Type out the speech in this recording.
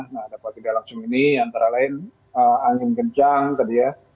nah dapat tidak langsung ini antara lain angin kencang tadi ya